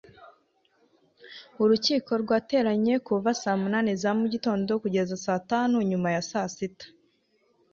urukiko rwateranye kuva saa munani za mugitondo kugeza saa tanu nyuma ya saa sita